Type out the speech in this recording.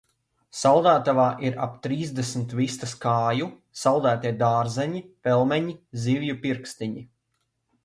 Saldētavā ir ap trīsdesmit vistas kāju. Saldētie dārzeņi, pelmeņi, zivju pirkstiņi.